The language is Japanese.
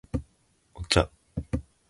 お茶